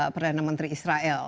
perdana menteri israel